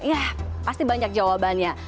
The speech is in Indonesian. ya pasti banyak jawabannya